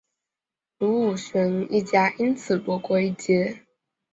卢武铉一家因此躲过一劫。